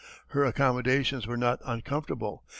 Her accommodations were not uncomfortable.